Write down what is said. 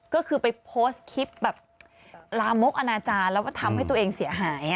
ก็คือไปโพสต์คลิปแบบลามกอนาจารย์แล้วก็ทำให้ตัวเองเสียหาย